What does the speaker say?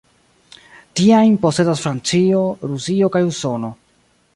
Tiajn posedas Francio, Rusio kaj Usono.